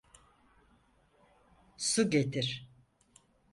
Su getir.